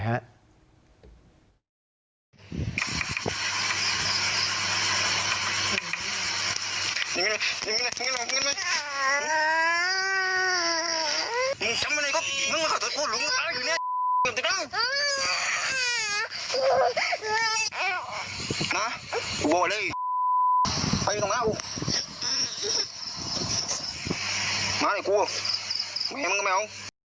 เหมือนกับแมว